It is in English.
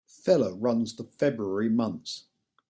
Feller runs the February months.